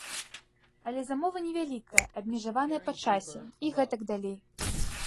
Але замова невялікая, абмежаваная па часе, і гэтак далей.